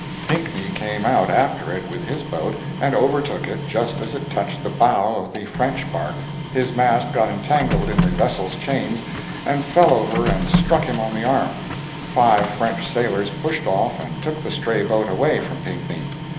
Pinkney came out after it with his boat, and overtook it just as it touched the bow of the French bark; his mast got entangled in the vessel's chains, and fell over and struck him on the arm; five French sailors pushed off and took the stray boat away from Pinkney.